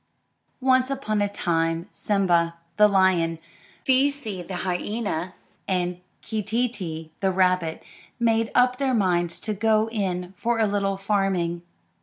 Once upon a time Sim'ba, the lion, Fee'see, the hyena, and Keetee'tee, the rabbit, made up their minds to go in for a little farming.